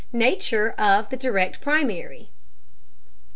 NATURE OF THE DIRECT PRIMARY.